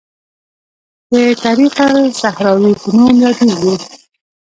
د طریق الصحراوي په نوم یادیږي.